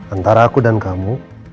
antara aku dan kamu